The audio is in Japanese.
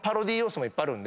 いっぱいあるんで。